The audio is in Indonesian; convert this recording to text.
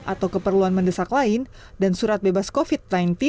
atau keperluan mendesak lain dan surat bebas covid sembilan belas